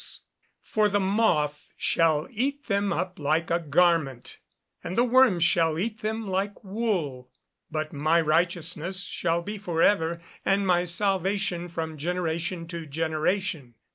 [Verse: "For the moth shall eat them up like a garment, and the worm shall eat them like wool: but my righteousness shall be for ever, and my salvation from generation to generation."